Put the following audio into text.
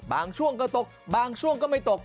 ช่วงก็ตกบางช่วงก็ไม่ตก